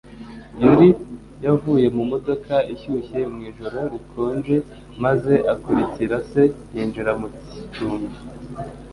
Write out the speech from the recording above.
Yully yavuye mu modoka ishyushye mu ijoro rikonje maze akurikira se yinjira mu icumbi.